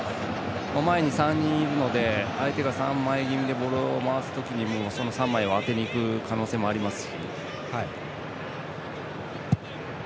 前に３人いるので相手が３枚気味でボールを回す時にその３枚を当てにいく可能性もありますし。